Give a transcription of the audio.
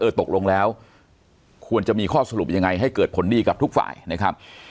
ตกลงแล้วควรจะมีข้อสรุปยังไงให้เกิดผลดีกับทุกฝ่ายนะครับ